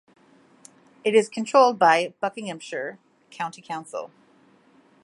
It is controlled by Buckinghamshire County Council.